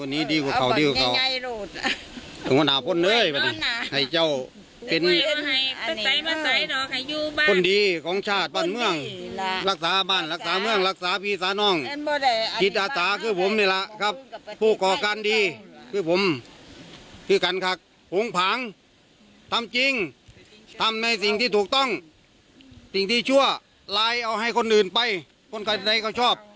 ติ่งที่ชั่วลายเอาให้คนอื่นไปคนใกล้เป็นใครเค้าชอบ